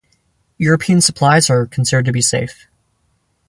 European supplies are considered to be safe.